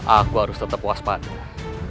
aku harus tetap puas padanya